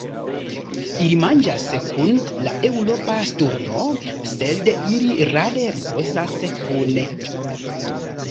Ili manĝas kun la Eŭropa sturno, sed ili rare ripozas kune.